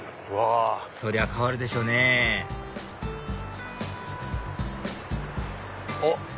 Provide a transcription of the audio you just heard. そりゃ変わるでしょうねあっ